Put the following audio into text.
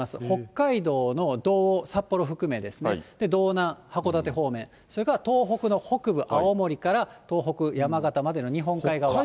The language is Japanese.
北海道の道央、札幌含め、道南、函館方面、それから東北の北部、青森から東北、山形までの日本海側。